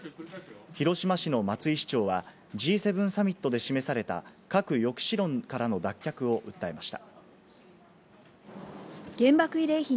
広島市の松井市長はＧ７サミットで示された核抑止論からの脱却を訴えました。